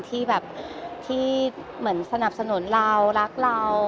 ที่สนับสนุนเรารักเรา